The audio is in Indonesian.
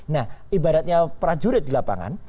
nah ibaratnya prajurit di lapangan